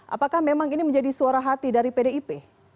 apakah memang ini menjadi suara hati dari pdip